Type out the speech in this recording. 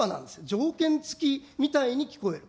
条件付きみたいに聞こえる。